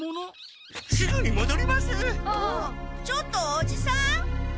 ちょっとおじさん？